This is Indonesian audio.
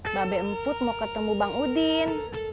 babe emput mau ketemu bang udin